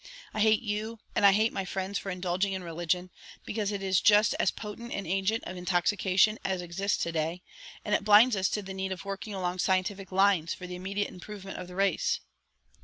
I hate you and I hate my friends for indulging in religion, because it is just as 'potent an agent of intoxication' as exists to day, and it blinds us to the need of work along scientific lines for the immediate improvement of the race.